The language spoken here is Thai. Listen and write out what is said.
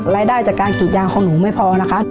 รายได้จากการกรีดยางของหนูไม่พอนะคะ